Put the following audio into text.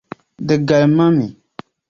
Di galim a mi.